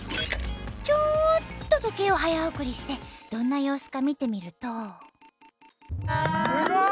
ちょーっと時計を早送りしてどんな様子か見てみると。